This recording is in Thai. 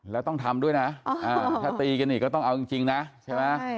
แล้วต้องทำด้วยนะถ้าตีกันอีกก็ต้องเอาจริงนะใช่ไหม